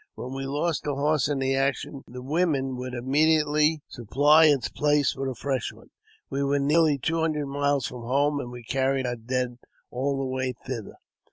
When we lost a horse in the action, the women would immediately supply its place with a fresh one. We were nearly two hundred miles from home, and we carried our dead all .the way thither.